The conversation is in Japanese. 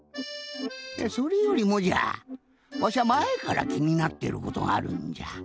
それよりもじゃわしゃまえからきになってることがあるんじゃ。